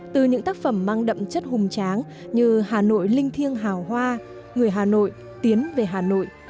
từ những tác phẩm mang đậm chất hùng tráng như hà nội linh thiêng hào hoa người hà nội tiến về hà nội